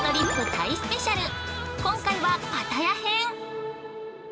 タイスペシャル、今回はパタヤ編。